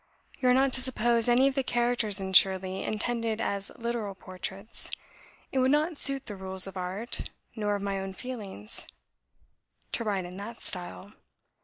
You are not to suppose any of the characters in 'Shirley' intended as literal portraits. It would not suit the rules of art, nor of my own feelings; to write in that style.